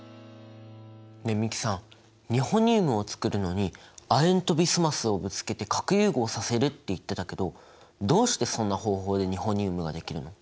ねえ美樹さんニホニウムを作るのに亜鉛とビスマスをぶつけて核融合させるって言ってたけどどうしてそんな方法でニホニウムが出来るの？